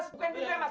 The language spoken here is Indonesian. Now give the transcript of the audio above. bukain pintu ya mas